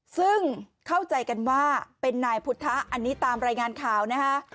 ซึ่งเข้าใจกันว่าเป็นนายพุทธะอันนี้ตามรายงานข่าวนะคะ